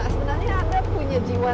sebenarnya anda punya jiwa